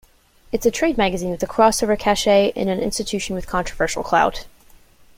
It's a trade magazine with crossover cachet and an institution with controversial clout.